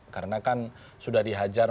karena kan sudah dihajar